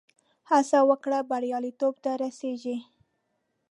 هڅه وکړه، بریالیتوب ته رسېږې.